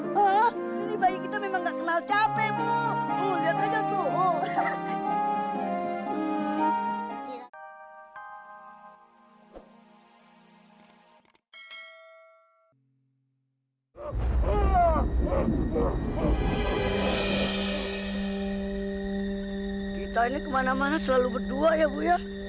kita ini kemana mana selalu berdua ya bu ya